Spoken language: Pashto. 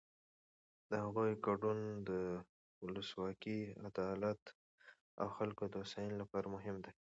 د هغوی ګډون د ولسواکۍ، عدالت او د خلکو د هوساینې لپاره مهم دی.